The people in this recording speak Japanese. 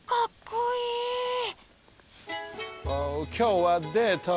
きょうはデート。